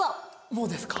もうですか？